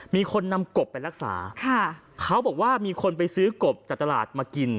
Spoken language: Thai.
มีคนนำกบไปรักษาค่ะเขาบอกว่ามีคนไปซื้อกบจากตลาดมากิน